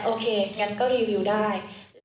โอเคงั้นก็รีวิวได้